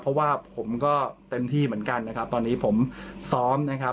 เพราะว่าผมก็เต็มที่เหมือนกันนะครับตอนนี้ผมซ้อมนะครับ